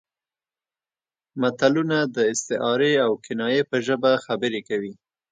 متلونه د استعارې او کنایې په ژبه خبرې کوي